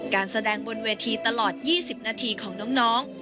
การแสดงบนเวทีตลอด๒๐นาทีของน้อง